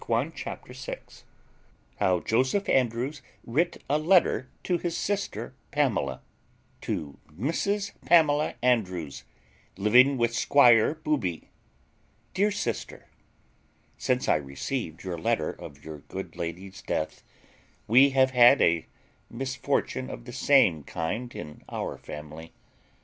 CHAPTER VI. How Joseph Andrews writ a letter to his sister Pamela. "To MRS PAMELA ANDREWS, LIVING WITH SQUIRE BOOBY. "DEAR SISTER, Since I received your letter of your good lady's death, we have had a misfortune of the same kind in our family.